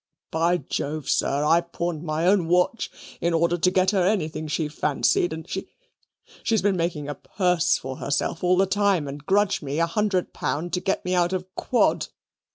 By Jove, sir, I've pawned my own watch in order to get her anything she fancied; and she she's been making a purse for herself all the time, and grudged me a hundred pound to get me out of quod."